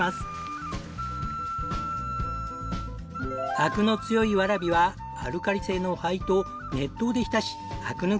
アクの強いワラビはアルカリ性の灰と熱湯で浸しアク抜きをします。